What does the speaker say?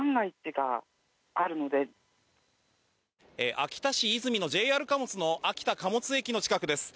秋田市泉のＪＲ貨物の秋田貨物駅の近くです。